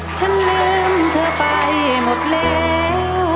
ฉันลืมเธอไปหมดแล้ว